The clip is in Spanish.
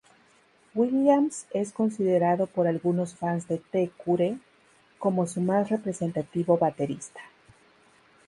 Williams es considerado por algunos fans de The Cure como su más representativo baterista.